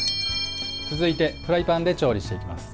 続いて、フライパンで調理していきます。